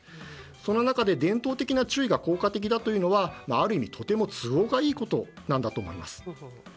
その中で伝統的な中医が効果的だというのはある意味、とても都合がいいことなんだと思います。